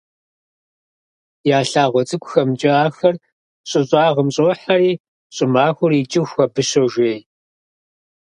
Я лъагъуэ цӏыкӏухэмкӏэ ахэр щӏы щӏагъым щӏохьэри, щӏымахуэр икӏыху абы щожей.